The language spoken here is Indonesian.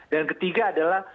dan ketiga adalah